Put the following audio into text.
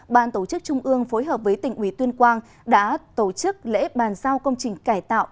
ban tổ chức trung ương phối hợp với tỉnh ủy tuyên quang đã tổ chức lễ bàn giao công trình cải tạo